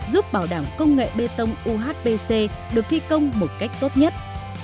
giúp bảo đảm công nghệ bê tông uhpc được thi công một cách tốt nhất